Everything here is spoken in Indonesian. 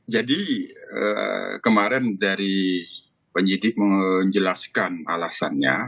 jadi kemarin dari penyidik menjelaskan alasannya